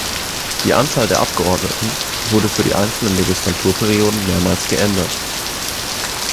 Die Anzahl der Abgeordneten wurde für die einzelnen Legislaturperioden mehrmals geändert.